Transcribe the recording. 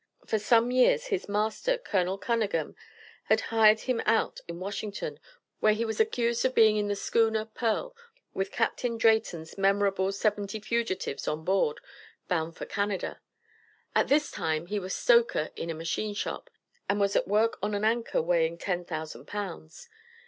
For some years his master, Col. Cunnagan, had hired him out in Washington, where he was accused of being in the schooner Pearl, with Capt. Drayton's memorable "seventy fugitives on board, bound for Canada." At this time he was stoker in a machine shop, and was at work on an anchor weighing "ten thousand pounds."